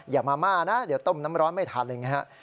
อย่ามาม่านะเดี๋ยวต้มน้ำร้อนไม่ทันอะไรอย่างนี้ฮะ